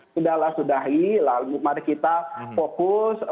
sudahlah sudahi lalu mari kita fokus